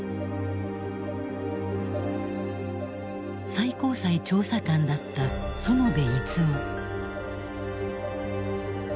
最高裁調査官だった園部逸夫。